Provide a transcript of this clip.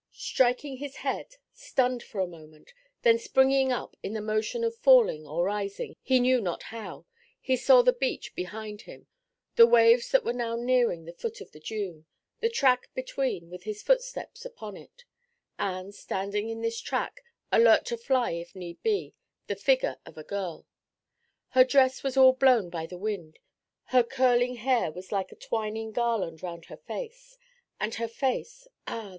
Striking his head, stunned for a moment, then springing up again, in the motion of falling or rising, he knew not how, he saw the beach behind him the waves that were now nearing the foot of the dune, the track between with his footsteps upon it, and, standing in this track, alert to fly if need be, the figure of a girl. Her dress was all blown by the wind, her curling hair was like a twining garland round her face, and her face ah!